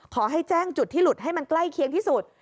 ขอให้แจ้งจุดที่หลุดให้มันใกล้เคียงที่สุด